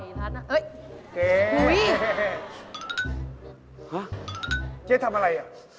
อุ๊ยฮ่าเจ๊ทำอะไร